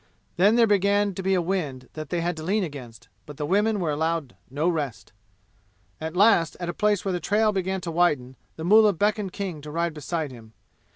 Then there began to be a wind that they had to lean against, but the women were allowed no rest. At last at a place where the trail began to widen, the mullah beckoned King to ride beside him.